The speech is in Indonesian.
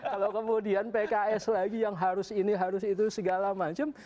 kalau kemudian pks lagi yang harus ini harus itu segala macam